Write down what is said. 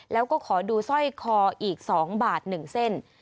แล้วก็ขอดูสร้อยคออีก๒บาท๑เส้น